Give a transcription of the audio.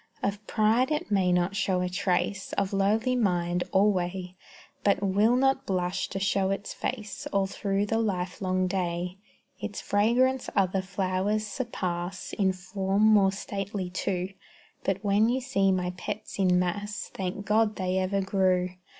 Of pride it may not show a trace; Of lowly mind, alway; But will not blush to show its face All through the lifelong day: Its fragrance other flowers surpass, In form more stately, too. But when you see my pets in mass, Thank God they ever grew.